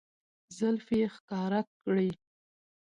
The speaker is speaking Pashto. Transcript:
زلفې يې ښکاره کړې